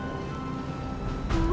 ibu nda gendut